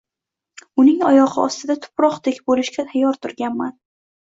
Uning oyog`i ostida tuproqdek bo`lishga tayyor turganman